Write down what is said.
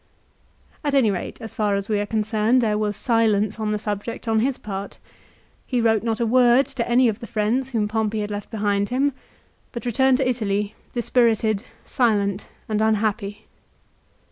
At any rate as far as we are concerned there was silence on the subject on his part. He wrote not a word to any of the friends whom Pompey had left behind him, but returned to Italy dispirited, silent, and unhappy.